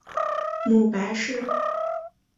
母白氏。